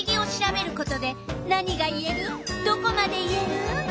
どこまで言える？